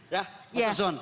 ya pak kerson